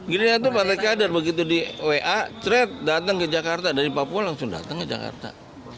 gerindra itu partai kader begitu di wa cret datang ke jakarta dari papua langsung datang ke jakarta